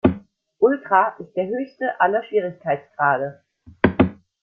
Ultra ist der höchste aller Schwierigkeitsgrade.